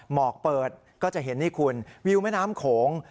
หมอกเปิดก็จะเห็นนี่คุณวิวแม่น้ำโขง